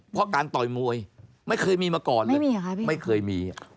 เพราะการต่อยมวยไม่เคยมีมาก่อนไม่เคยมี